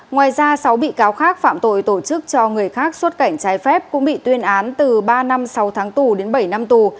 ngoài ra sáu bị cáo khác phạm tội tổ chức cho người khác xuất cảnh trái phép cũng bị tuyên án từ ba năm sáu tháng tù đến bảy năm tù